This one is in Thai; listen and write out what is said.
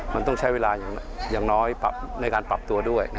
มันต้องใช้เวลาอย่างน้อยในการปรับตัวด้วย